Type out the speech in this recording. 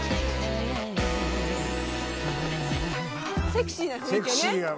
「セクシーな雰囲気よね」